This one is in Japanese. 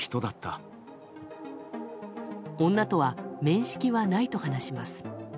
女とは面識はないと話します。